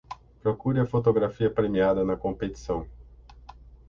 Procure a fotografia premiada na competição